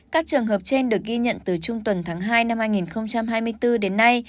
các trường hợp trên được ghi nhận từ trung tuần tháng hai năm hai nghìn hai mươi bốn đến nay